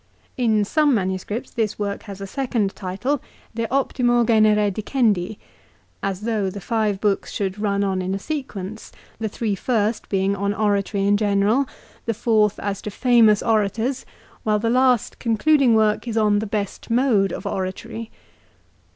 l In some MS. this work has a second title, "De Optimo Genere Dicendi," as though the five books should run on in a sequence, the three first being on oratory in general, the fourth as to famous orators, while the last con cluding work is on the best mode of oratory.